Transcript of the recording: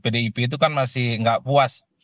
pdip itu kan masih nggak puas